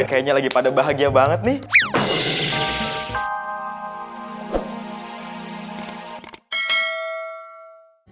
kayaknya lagi pada bahagia banget nih